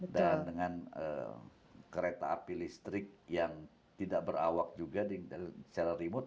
dan dengan kereta api listrik yang tidak berawak juga secara remote